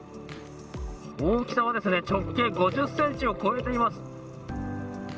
大きさはですね直径５０ｃｍを超えています。